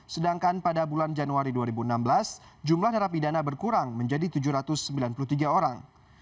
sedangkan pada bulan januari dua ribu enam belas jumlah narapidana berkurang menjadi tujuh ratus sembilan puluh tiga orang